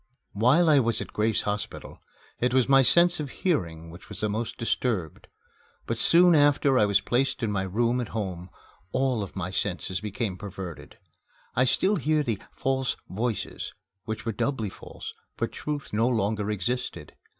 While I was at Grace Hospital, it was my sense of hearing which was the most disturbed. But soon after I was placed in my room at home, all of my senses became perverted. I still heard the "false voices" which were doubly false, for Truth no longer existed.